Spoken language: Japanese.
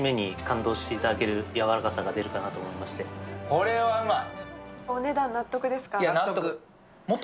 これはうまい。